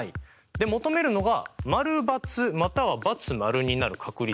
で求めるのが○×または×○になる確率。